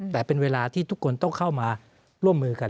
แต่เป็นเวลาที่ทุกคนต้องเข้ามาร่วมมือกัน